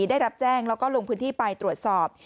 ได้รับแจ้งแล้วก็ลงพื้นที่ไปตรวจสอบ